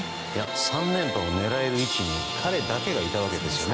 ３連覇を狙える位置に彼だけがいたわけですよね。